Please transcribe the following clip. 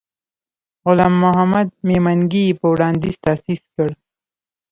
غلام محمد میمنګي یې په وړاندیز تأسیس کړ.